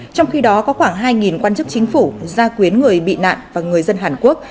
trong khi đó có khoảng hai quan chức chính phủ gia quyến người bị nạn và người dân hàn quốc